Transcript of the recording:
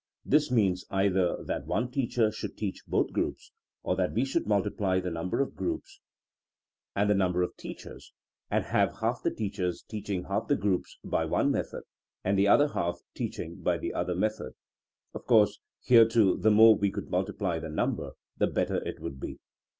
This means either that one teacher should teach both groups, or that we should multiply the number of groups 38 THINKING AS A SCIENCE and the number of teachers, and have half the teachers teaching half the groups by one method, and the other half teaching by the other method. Of course here too the more we could multiply the number the better it would be.